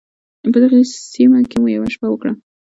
په دغې سیمه کې مو یوه شپه وکړه.